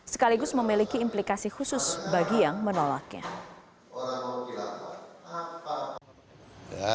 sekaligus memiliki implikasi khusus bagi yang menolaknya